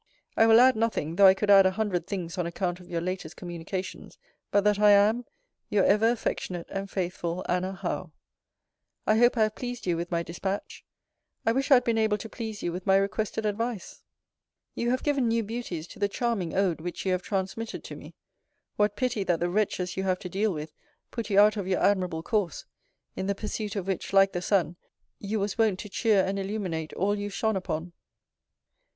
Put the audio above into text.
I will add nothing (though I could add a hundred things on account of your latest communications) but that I am Your ever affectionate and faithful ANNA HOWE. I hope I have pleased you with my dispatch. I wish I had been able to please you with my requested advice. You have given new beauties to the charming Ode which you have transmitted to me. What pity that the wretches you have to deal with, put you out of your admirable course; in the pursuit of which, like the sun, you was wont to cheer and illuminate all you shone upon!